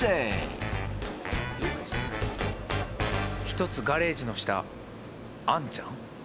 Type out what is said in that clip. ひとつガレージの下あんちゃん？